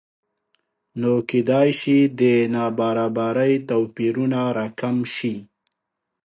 نو کېدای شي د نابرابرۍ توپیرونه راکم شي